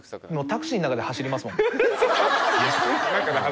タクシーの中で走りますから。